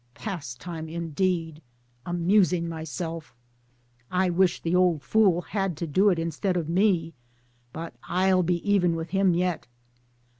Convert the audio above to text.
(" Pastime, indeed I amusing myself I I wish the old fool had to do it instead of me. But I'll be even with him yet